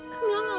kamilah gak mau